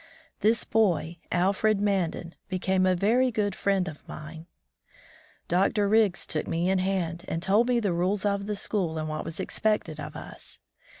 This boy, Alfred Mandan, became a very good friend of mine. Dr. Riggs took me in hand and told me the rules of the school and what was expected of us.